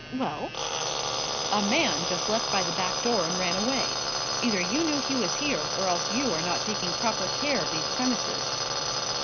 "Well?" "A man just left by the back door and ran away. Either you knew he was here or else you are not taking proper care of these premises."